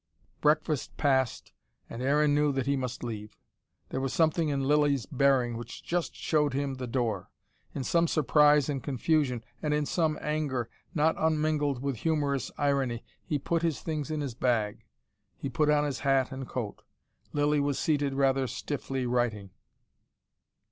Breakfast passed, and Aaron knew that he must leave. There was something in Lilly's bearing which just showed him the door. In some surprise and confusion, and in some anger, not unmingled with humorous irony, he put his things in his bag. He put on his hat and coat. Lilly was seated rather stiffly writing.